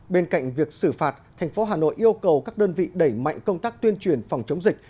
bên cạnh việc xử phạt thành phố hà nội yêu cầu các đơn vị đẩy mạnh công tác tuyên truyền phòng chống dịch